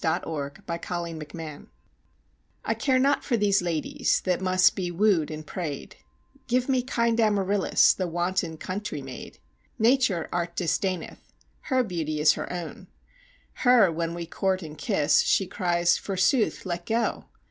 Thomas Campion Amaryllis I CARE not for these ladies that must be wooed and prayed; Give me kind Amaryllis, the wanton country maid. Nature Art disdaineth; her beauty is her own. Her when we court and kiss, she cries: forsooth, let go!